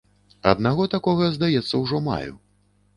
Аднаго такога, здаецца, ужо маю.